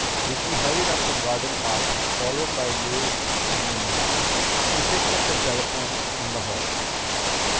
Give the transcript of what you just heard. Vicki hurried up the garden path, followed by Louise and Nina. She picked up the telephone in the hall.